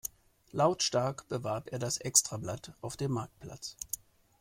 Lautstark bewarb er das Extrablatt auf dem Marktplatz.